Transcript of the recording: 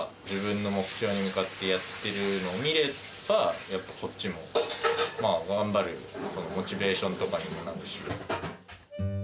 自分の目標に向かってやってるのを見れば、やっぱ、こっちもまあ、頑張るモチベーションとかにもなるし。